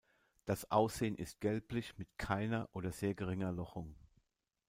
Das Aussehen ist gelblich mit keiner oder sehr geringer Lochung.